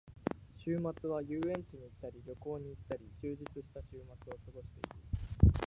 週末は遊園地に行ったり旅行に行ったり、充実した週末を過ごしている。